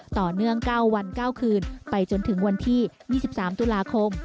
ต่อเนื่อง๙วัน๙คืนไปจนถึงวันที่๒๓ตุลาคม